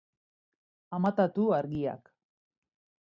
Amatatu argiak